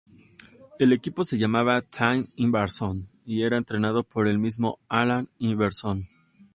El equipo se llamaba "Team Iverson" y era entrenado por el mismo Allen Iverson.